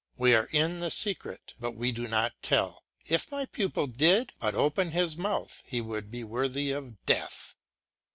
We are in the secret, but we do not tell. If my pupil did but open his mouth he would be worthy of death.